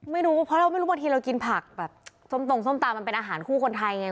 ไม่รู้เพราะเราไม่รู้บางทีเรากินผักแบบส้มตรงส้มตำมันเป็นอาหารคู่คนไทยไง